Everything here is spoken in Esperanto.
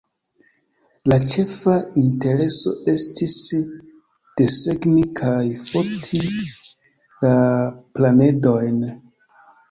Lia ĉefa intereso estis desegni kaj foti la planedojn.